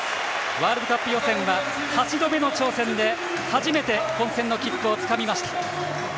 ワールドカップ予選は８度目の挑戦で初めて本戦の切符をつかみました。